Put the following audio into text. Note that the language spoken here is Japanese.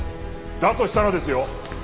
だとしたらですよ